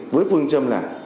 với phương trâm là